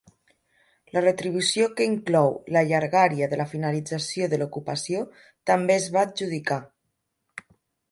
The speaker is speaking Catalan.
La retribució que inclou la llargària de la finalització de l'ocupació també es va adjudicar.